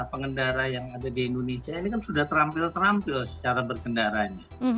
pengendara yang ada di indonesia ini kan sudah terampil terampil secara berkendaranya